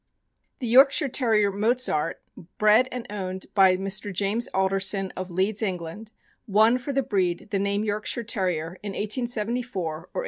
The Yorkshire Terrier Mozart, bred and owned by Mr. James Alderson, of Leeds, England, won for the breed the name of Yorkshire Terrier in 1874 or 1875.